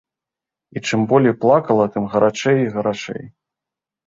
І чым болей плакала, тым гарачэй і гарачэй.